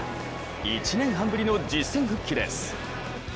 １年半ぶりの実戦復帰です。